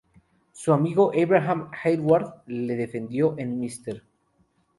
Su amigo Abraham Hayward le defendió en "Mr.